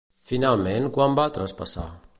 Finalment, quan va traspassar?